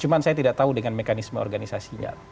cuman saya tidak tahu dengan mekanisme organisasi